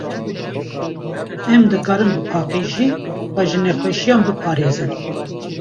Em dikarin bi paqijiyê, xwe ji nexweşiyan biparêzin.